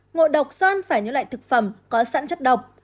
ngộ độc do ăn phải những loại thực phẩm có sẵn chất độc